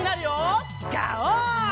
ガオー！